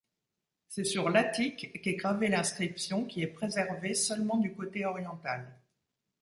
C'est sur l'attique qu'est gravée l’inscription qui est préservée seulement du côté oriental.